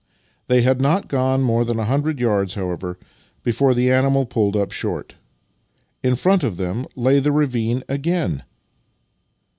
They had not gone more than a hundred yards, how ever, before the animal pulled up short. In front of them lay the ravine again!